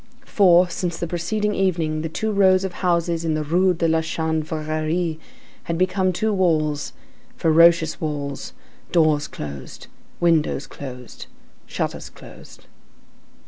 For, since the preceding evening, the two rows of houses in the Rue de la Chanvrerie had become two walls; ferocious walls, doors closed, windows closed, shutters closed.